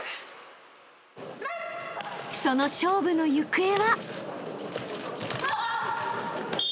［その勝負の行方は？］